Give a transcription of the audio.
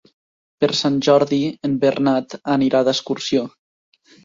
Per Sant Jordi en Bernat anirà d'excursió.